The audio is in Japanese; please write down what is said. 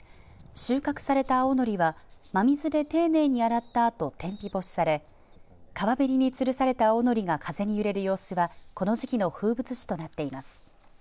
収穫された青のりは真水で丁寧に洗ったあと天日干しされ川べりにつるされた青のりが風に揺れる様子はこの時期の風物詩となっています。